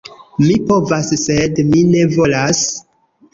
Mi povas, sed mi ne volas.